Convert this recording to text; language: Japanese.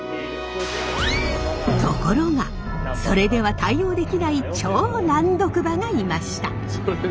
ところがそれでは対応できない超・難読馬がいました。